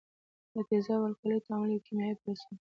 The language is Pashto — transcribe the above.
د تیزاب او القلي تعامل یو کیمیاوي پروسه ده.